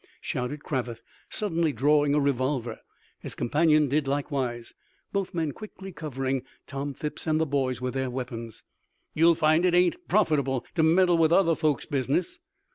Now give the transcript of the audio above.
shouted Cravath, suddenly drawing a revolver. His companion did likewise, both men quickly covering Tom Phipps and the boys with their weapons. "You'll find it ain't profitable to meddle with other folks' business."